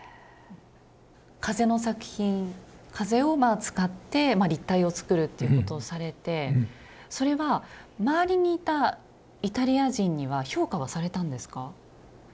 風の作品風を使って立体をつくるっていうことをされてそれは周りにいたイタリア人には評価はされたんですか？